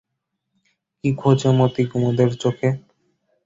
কী খোজে মতি কুমুদের চোখে?